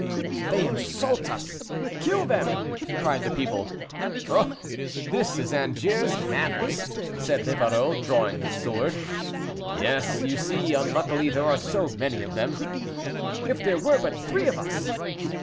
"They insult us! kill them!" cried the people. "Oh! this is Angers' manners!" said Livarot, drawing his sword. "Yes, you see; unluckily, there are so many of them." "If there were but three of us!"